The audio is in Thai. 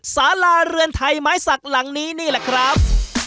สาราเรือนไทยไม้สักหลังนี้นี่แหละครับ